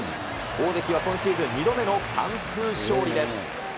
大関は今シーズン２度目の完封勝利です。